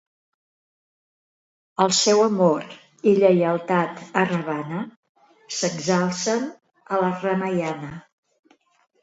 El seu amor i lleialtat a Ravana s'exalcen a la "Ramayana".